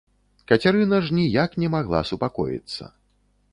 Кацярына ж ніяк не магла супакоіцца.